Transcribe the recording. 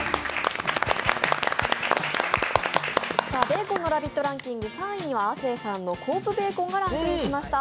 ベーコンのラヴィットランキング、３位には亜生さんのコープベーコンが入りました。